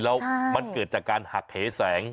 แล้วมันเกิดจากการหักเหแสง